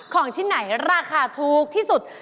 ของชิ้นไหนราคาถูกที่สุด